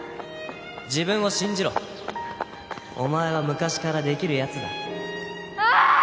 自分を信じろお前は昔からできるヤツだあ！